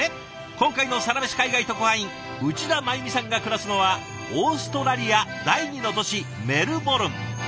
今回のサラメシ海外特派員内田真弓さんが暮らすのはオーストラリア第２の都市メルボルン。